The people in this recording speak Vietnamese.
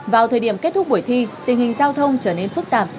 vào thời điểm kết thúc buổi thi tình hình giao thông trở nên phức tạp